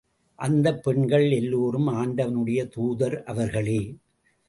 அந்தப் பெண்கள் எல்லோரும், ஆண்டவனுடைய தூதர் அவர்களே!